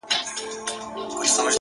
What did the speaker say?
ستا د پښو ترپ ته هركلى كومه!!